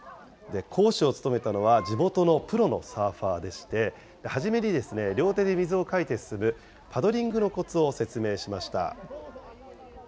講師を務めたのは、地元のプロのサーファーでして、初めに両手で水をかいて進む、パドリングのこつを説明しました。